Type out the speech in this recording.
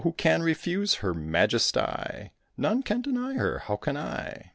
Who can refuse her majesty? None can deny her. How can I?